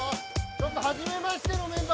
ちょっと初めましてのメンバー